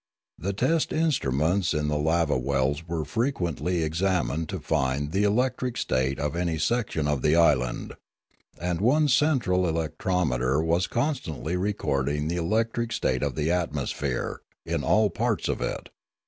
The test in struments in the lava wells were frequently examined to find the electric state of any section of the island; and one central electrometer was constantly recording the electric state of the atmosphere in all parts of it.